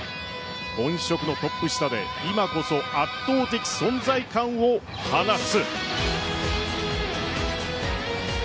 本職のトップ下で今こそ圧倒的存在感を放つ。